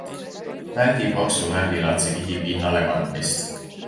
Väldi paksu värvilaadse kihi pinnalekandmist.